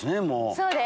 そうです。